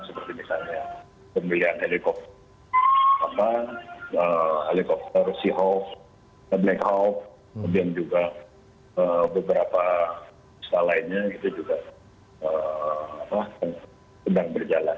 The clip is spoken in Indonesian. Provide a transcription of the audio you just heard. seperti misalnya pembelian helikopter helikopter seahawk black hawk dan juga beberapa setelah lainnya itu juga sedang berjalan